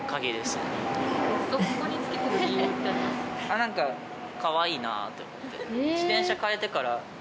なんかかわいいなって思って。